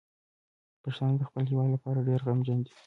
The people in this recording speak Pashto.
پښتانه د خپل هیواد لپاره ډیر غمجن دي.